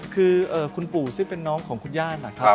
คือคุณปู่ซึ่งเป็นน้องของคุณย่านะครับ